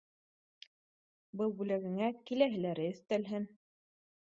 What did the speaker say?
Был бүләгеңә киләһеләре өҫтәлһен